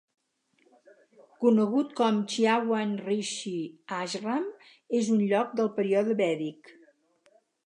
Conegut com Chyawan Rishi Ashram, és un lloc del període vèdic.